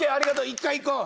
一回いこう。